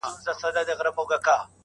• زما د زړه د كـور ډېـوې خلگ خبــري كوي.